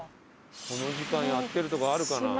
この時間やってるとこあるかな？